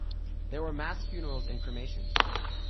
There were mass funerals and cremations.